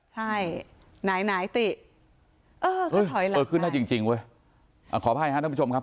ใช่ไหนไหนติเออเออขึ้นหน้าจริงจริงเว้ยอ่าขอบภัยฮะท่านผู้ชมครับ